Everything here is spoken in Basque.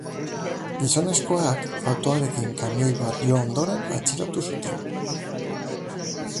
Gizonezkoak autoarekin kamioi bat jo ondoren atxilotu zuten.